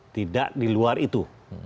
tidak di luar itu